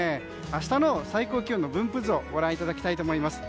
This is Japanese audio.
明日の最高気温の分布図をご覧いただきたいと思います。